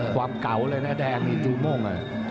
ความเก่าเลยนะแดงนี่จูโม่ง